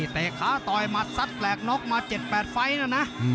เตะขาตอยหมัดสัตว์แกรกนกมา๗๘ไฟล์นะนะ